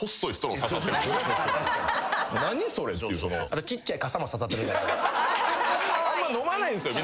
あんま飲まないんすよ